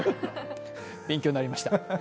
勉強になりました。